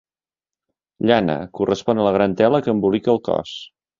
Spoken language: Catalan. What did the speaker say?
Llana: correspon a la gran tela que embolica el cos.